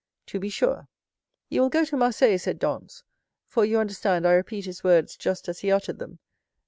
"To be sure. 'You will go to Marseilles,' said Dantès,—for you understand, I repeat his words just as he uttered them.